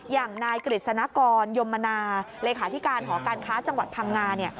อย่างนายกฤษนกรยมนาเลขาที่ของอาการค้าจังหวัดพลังงาน